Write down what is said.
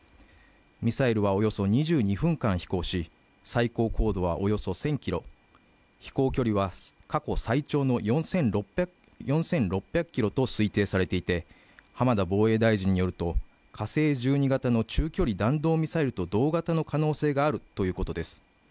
ミサイルはおよそ２２分間飛行し最高高度はおよそ１０００キロ飛行距離は過去最長の４６００キロと推定されていて浜田防衛大臣によると火星１２型の中距離弾道ミサイルと同型の可能性があるということです